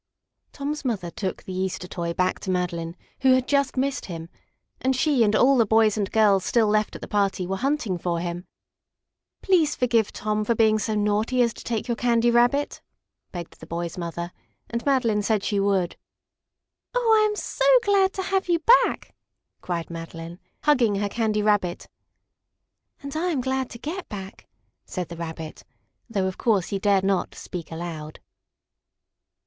Tom's mother took the Easter toy back to Madeline, who had just missed him, and she and all the boys and girls still left at the party were hunting for him. "Please forgive Tom for being so naughty as to take your Candy Rabbit," begged the boy's mother, and Madeline said she would. "Oh, I am so glad to have you back!" cried Madeline, hugging her Candy Rabbit. "And I am glad to get back," said the Rabbit, though of course he dared not speak aloud.